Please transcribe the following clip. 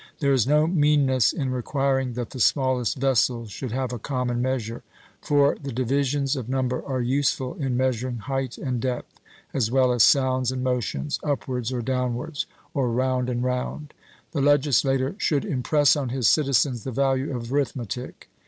There is no meanness in requiring that the smallest vessels should have a common measure; for the divisions of number are useful in measuring height and depth, as well as sounds and motions, upwards or downwards, or round and round. The legislator should impress on his citizens the value of arithmetic.